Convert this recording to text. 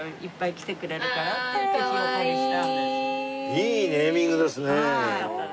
いいネーミングですね。